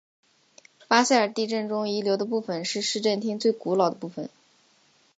巴塞尔地震中遗留的部分是市政厅最古老的部分。